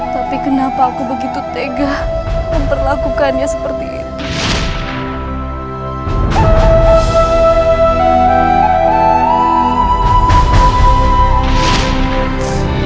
tapi kenapa aku begitu tega memperlakukannya seperti itu